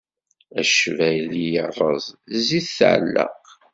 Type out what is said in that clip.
Acbali irreẓ, zzit tɛelleq.